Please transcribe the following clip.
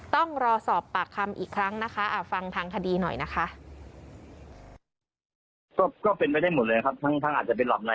ต้องรอสอบปากคำอีกครั้งนะคะฟังทางคดีหน่อยนะคะ